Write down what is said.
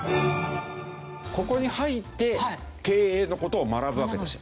ここに入って経営の事を学ぶわけですよ。